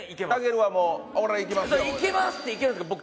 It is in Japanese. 「いきます」っていけるんですけど